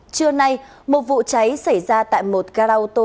trưa nay một vụ cháy xảy ra tại một gara ô tô